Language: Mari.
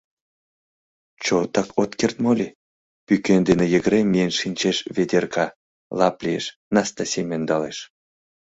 — Чотак от керт моли? — пӱкен дене йыгыре миен шинчеш Ведерка, лап лиеш, Настасим ӧндалеш.